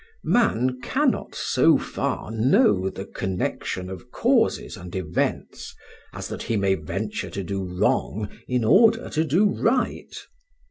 Man cannot so far know the connection of causes and events as that he may venture to do wrong in order to do right.